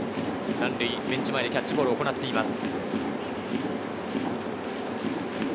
３塁ベンチ前でキャッチボールを行っています。